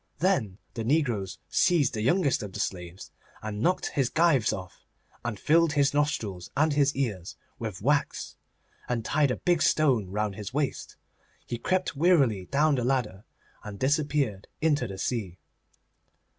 Then the negroes seized the youngest of the slaves and knocked his gyves off, and filled his nostrils and his ears with wax, and tied a big stone round his waist. He crept wearily down the ladder, and disappeared into the sea.